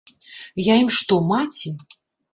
Я ім што, маці?